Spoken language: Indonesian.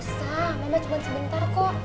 eh gak usah mama cuma sebentar kok